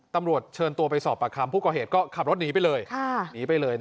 ตำรวจเชิญตัวไปสอบปากคำผู้ก่อเหตุก็ขับรถหนีไปเลยหนีไปเลย